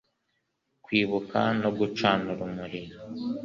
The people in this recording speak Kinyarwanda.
kwibuka no gucana urumuri